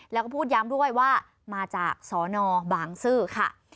แล้วก็พูดย้ำด้วยว่ามาจากสนบางซื่อค่ะ